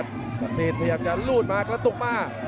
สิทธิ์พยายามจะลูดมากระตุกมา